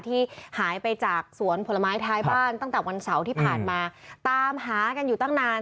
ที่หายไปจากสวนผลไม้ท้ายบ้านตั้งแต่วันเสาร์ที่ผ่านมาตามหากันอยู่ตั้งนาน